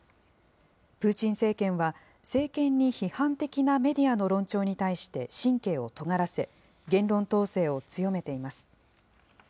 プーチン政権は、政権に批判的なメディアの論調に対して、神経をとがらせ、言論統制を強めています。